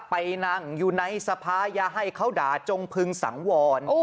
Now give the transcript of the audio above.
ไปนั่งอยู่ในสภาอย่าให้เขาด่าจงพึงสังวร